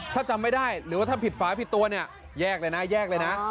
ถ้าจำไม่ได้หรือว่าถ้าผิดฝาผิดตัวเนี่ยแยกเลยนะแยกเลยนะ